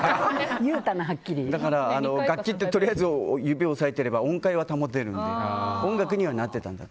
だから、楽器はとりあえず指押さえていれば音階を保てるので音楽になっていたんで。